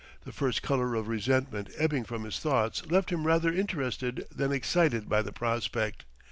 The first color of resentment ebbing from his thoughts left him rather interested than excited by the prospect.